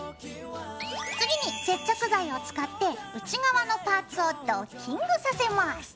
次に接着剤を使って内側のパーツをドッキングさせます。